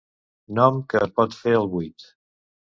Nom que et pot fer el buit.